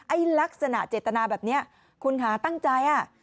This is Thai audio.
ลักษณะเจตนาแบบนี้คุณค่ะตั้งใจอ่ะ